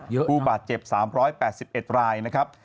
ผู้บาดเจ็บ๓๘๑รายนะครับ